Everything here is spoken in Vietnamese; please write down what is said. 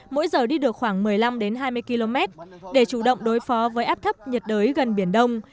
mỗi giờ đi được khoảng một mươi năm hai mươi km để chủ động đối phó với áp thấp nhiệt đới gần biển đông